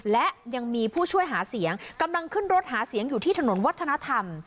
และยังมีผู้ช่วยหาเสียงกำลังขึ้นรถหาเสียงอยู่ที่ถนนวัฒนธรรม